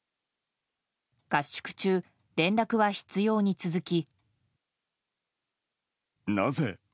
合宿中、連絡は執拗に続き。